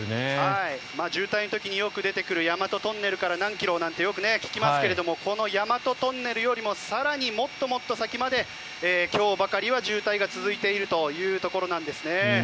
渋滞の時によく出てくる大和トンネルから何キロなんてよく聞きますけどこの大和トンネルよりも更にもっともっと先まで今日ばかりは渋滞が続いているというところです。